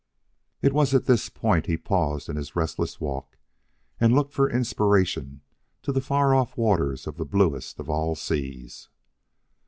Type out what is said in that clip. It was at this point he paused in his restless walk and looked for inspiration to the far off waters of the bluest of all seas.